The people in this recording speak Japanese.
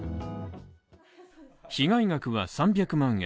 被害額は３００万円。